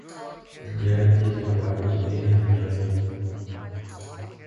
The clerk is required to be an attorney.